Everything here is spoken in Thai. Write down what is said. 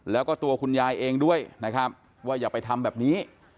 แล้วก็ตัวคุณยายเองด้วยนะครับว่าอย่าไปทำแบบนี้